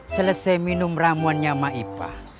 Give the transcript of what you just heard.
selesai minum ramuannya sama ipa